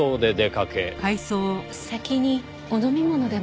先にお飲み物でも。